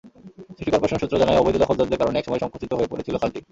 City corporation সূত্র জানায়, অবৈধ দখলদারদের কারণে একসময় সংকুচিত হয়ে পড়েছিল খালটি।